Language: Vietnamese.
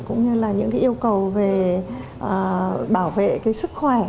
cũng như là những yêu cầu về bảo vệ sức khỏe